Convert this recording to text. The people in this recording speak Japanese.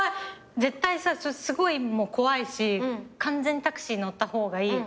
絶対さすごい怖いし完全にタクシー乗った方がいい。